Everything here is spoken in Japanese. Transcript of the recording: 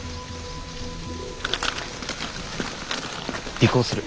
尾行する。